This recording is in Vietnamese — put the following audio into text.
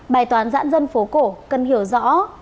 bài toán dãn dân phố cổ cần hiểu rõ